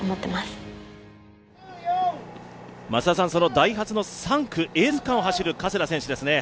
ダイハツの３区、エース区間を走る加世田選手ですね。